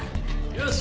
よし。